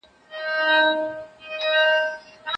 جرګه د رسمې محکمو لپاره یو ګټور مرستیال بنسټ دی